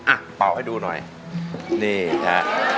อ่ะเป่าให้ดูหน่อยนี่ค่ะ